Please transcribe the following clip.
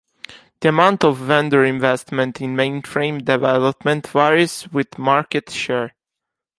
The amount of vendor investment in mainframe development varies with market share.